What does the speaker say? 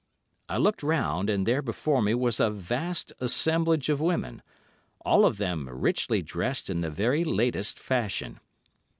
I looked round, and there before me was a vast assemblage of women, all of them richly dressed in the very latest fashion.